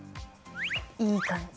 いい感じ。